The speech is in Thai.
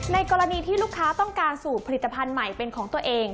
กรณีที่ลูกค้าต้องการสูตรผลิตภัณฑ์ใหม่เป็นของตัวเอง